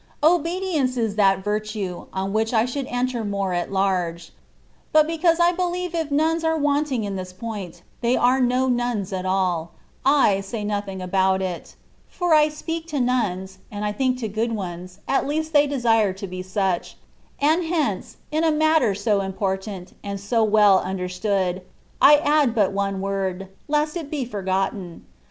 Obedience is that virtue, on which I should enter more at large : but because I believe if nuns are wanting in this point, they are no nims at all, I say nothing about it ; for I speak to nuns (and I think to good ones — at least they desire to be such) ; and hence, in a matter so important, and so well understood, I add but one word, lest it be forgotten.